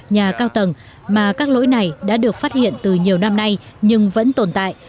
nhà cao tầng mà các lỗi này đã được phát hiện từ nhiều năm nay nhưng vẫn tồn tại